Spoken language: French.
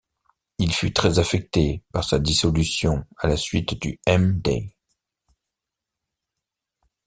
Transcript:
Il fut très affecté par sa dissolution à la suite du M-Day.